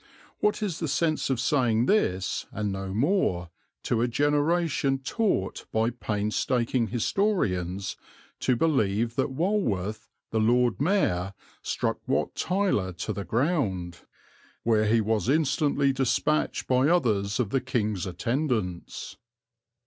What is the sense of saying this, and no more, to a generation taught by painstaking historians to believe that Walworth, the Lord Mayor, struck Wat Tyler to the ground "where he was instantly dispatched by others of the King's attendants"?